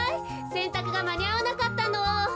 せんたくがまにあわなかったの。